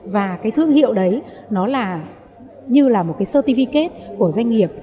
và cái thương hiệu đấy nó là như là một cái certificate của doanh nghiệp